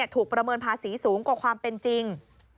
ประเมินภาษีสูงกว่าความเป็นจริง